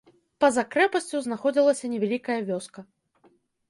Па-за крэпасцю знаходзілася невялікая вёска.